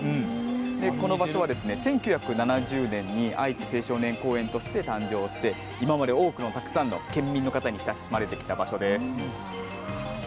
この場所は１９７０年に愛知青少年公園として誕生して今まで多くのたくさんの県民の方に親しまれてきた場所です。